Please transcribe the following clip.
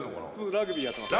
「ラグビーやってます」